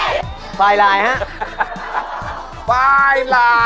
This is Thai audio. แว็กซี่ตำแหน่งที่๑ครับ